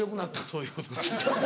そういうこと。